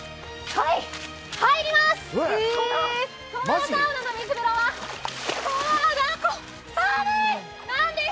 はい、入ります！